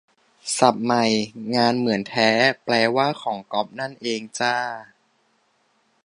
ศัพท์ใหม่ "งานเหมือนแท้" แปลว่า "ของก๊อป" นั่นเองจ้า